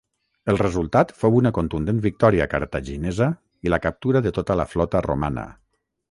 El resultat fou una contundent victòria cartaginesa i la captura de tota la flota romana.